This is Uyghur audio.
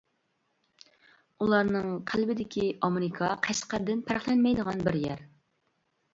ئۇلارنىڭ قەلبىدىكى ئامېرىكا قەشقەردىن پەرقلەنمەيدىغان بىر يەر.